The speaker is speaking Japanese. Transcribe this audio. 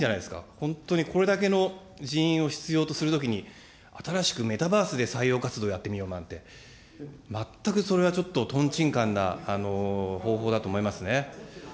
本当にこれだけの人員を必要とするときに、新しくメタバースで採用活動やってみようなんて、全くそれはちょっと、とんちんかんな方法だと思いますね。